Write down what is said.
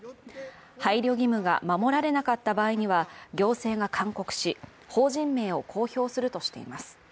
配慮義務が守られなかった場合には行政が勧告し法人名を公表するとしています。